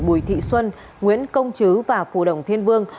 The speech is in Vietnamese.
bùi thị xuân nguyễn công chứ và phù đồng thiên vương